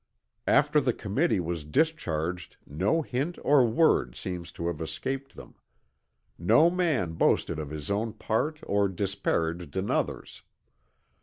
After the committee was discharged no hint or word seems to have escaped them. No man boasted of his own part or disparaged another's.